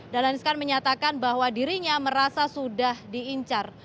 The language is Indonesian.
dahlan iskan menyatakan bahwa dirinya merasa sudah diincar